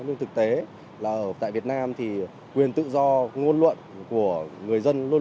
nhưng thực tế là ở tại việt nam thì quyền tự do ngôn luận của người dân luôn luôn là tự do